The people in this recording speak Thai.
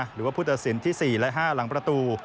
หรือว่าผู้ตัดสินที่๔และ๕หลังประตู